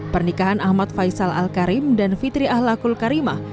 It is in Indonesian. pernikahan ahmad faisal al karim dan fitri ahlakul karimah